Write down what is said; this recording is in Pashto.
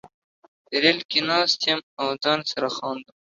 ریل کې ناست یم او ځان سره خاندم